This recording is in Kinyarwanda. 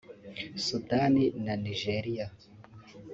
Sudani na Nigeria